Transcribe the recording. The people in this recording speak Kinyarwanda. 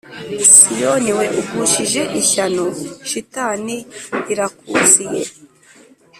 Siyoni we ugushije ishyano shitani irakuziye